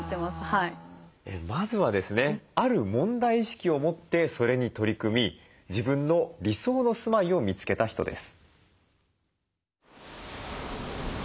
まずはですねある問題意識を持ってそれに取り組み自分の理想の住まいを見つけた人です。